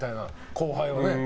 後輩はね。